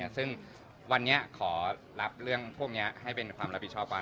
ซึ่งวันนี้ขอรับพวกนี้ให้เป็นความรับผิดคลอบความ